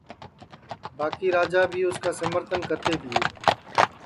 باکی راجا بھی اُس کا سمرتن کرتے تیے کبوُل کرتے تیے